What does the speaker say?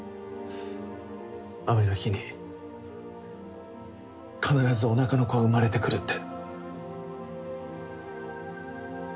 雨の日に必ずおなかの子は生まれてくるって。